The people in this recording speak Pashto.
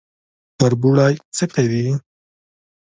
کربوړی څه کوي؟